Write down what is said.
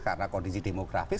karena kondisi demografis